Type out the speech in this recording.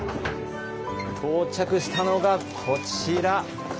到着したのがこちら。